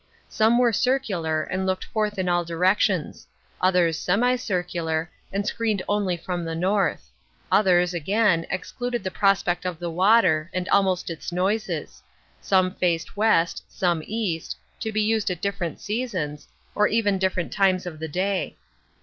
Some were circular, and looked forth in all directions ; others semi circular, and screened only from the north ; others, again, excluded the prospect of the water, and almost its noises ; some faced west, some east, to be used at different seasons, or even different times of the day.